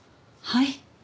はい？